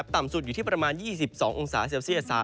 ต่ำสุดอยู่ที่ประมาณ๒๒องศาเซลเซียส